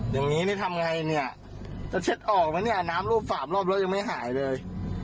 อย่างนี้นี่ทำไงเนี่ยจะเช็ดออกไหมเนี่ยน้ำรูปฝาบรอบแล้วยังไม่หายเลย